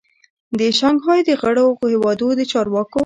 د شانګهای د غړیو هیوادو د چارواکو